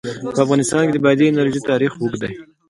په افغانستان کې د بادي انرژي تاریخ اوږد دی.